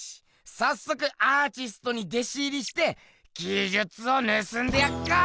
さっそくアーチストに弟子入りして技じゅつを盗んでやっか！